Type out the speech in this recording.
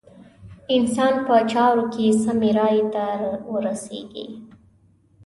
انسان په چارو کې سمې رايې ته ورسېږي.